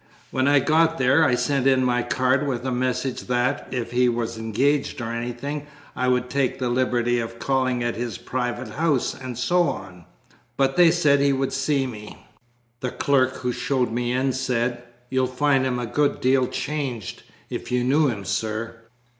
"When I got there, I sent in my card with a message that, if he was engaged or anything, I would take the liberty of calling at his private house, and so on. But they said he would see me. The clerk who showed me in said: 'You'll find him a good deal changed, if you knew him, sir.